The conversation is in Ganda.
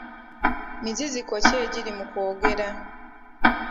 Miziziko ki egiri mu kwogera?